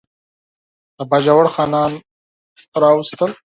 د باجوړ خانان راوستل.